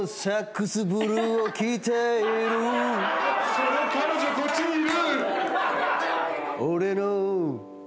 その彼女こっちにいる！